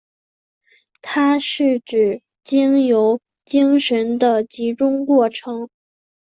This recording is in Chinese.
它是指经由精神的集中过程。